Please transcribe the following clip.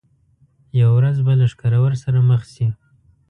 یوه ورځ به له ښکرور سره مخ شي.